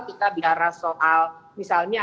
kita bicara soal misalnya